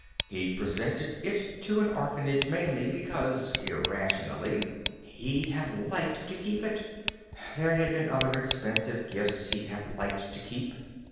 He'd presented it to an orphanage mainly because, irrationally, he'd have liked to keep it. There had been other expensive gifts he'd have liked to keep.